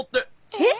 えっ？